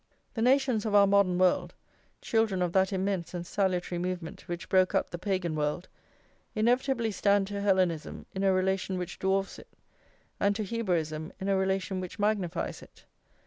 The nations of our modern world, children of that immense and salutary movement which broke up the Pagan world, inevitably stand to Hellenism in a relation which dwarfs it, and to Hebraism in a relation which magnifies it.